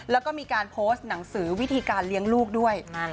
แล้วก็มีการโพสต์หนังสือวิธีการเลี้ยงลูกด้วย